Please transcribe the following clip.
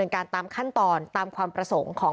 ทางคุณชัยธวัดก็บอกว่าการยื่นเรื่องแก้ไขมาตรวจสองเจน